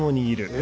え？